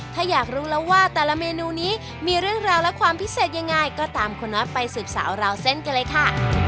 ถ้าอยากรู้แล้วว่าแต่ละเมนูนี้มีเรื่องราวและความพิเศษยังไงก็ตามคุณน้อยไปสืบสาวราวเส้นกันเลยค่ะ